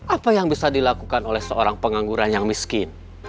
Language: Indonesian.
apa yang bisa dilakukan oleh seorang pengangguran yang miskin